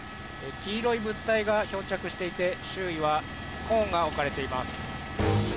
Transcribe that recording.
黄色い物体が漂着していて周囲はコーンが置かれています。